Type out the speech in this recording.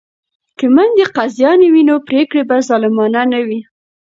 که میندې قاضیانې وي نو پریکړې به ظالمانه نه وي.